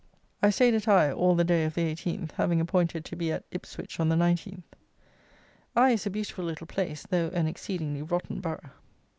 I stayed at Eye all the day of the 18th, having appointed to be at Ipswich on the 19th. Eye is a beautiful little place, though an exceedingly rotten borough.